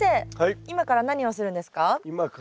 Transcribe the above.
今から何をするんですか？